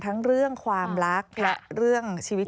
ทั้งเรื่องความรักและชีวิต